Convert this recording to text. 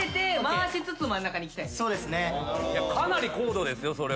かなり高度ですよそれは。